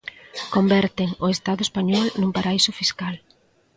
Converten o Estado español nun paraíso fiscal.